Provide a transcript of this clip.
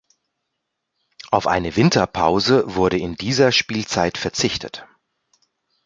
Auf eine Winterpause wurde in dieser Spielzeit verzichtet.